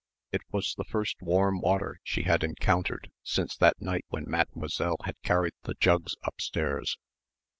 It was the first warm water she had encountered since that night when Mademoiselle had carried the jugs upstairs.